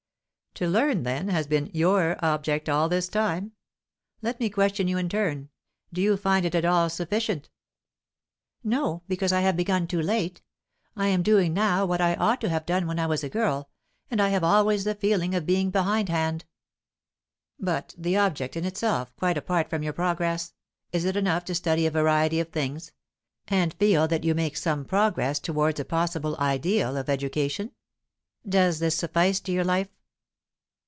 "To learn, then, has been your object all this time. Let me question you in turn. Do you find it all sufficient?" "No; because I have begun too late. I am doing now what I ought to have done when I was a girl, and I have always the feeling of being behindhand." "But the object, in itself, quite apart from your progress? Is it enough to study a variety of things, and feel that you make some progress towards a possible ideal of education? Does this suffice to your life?"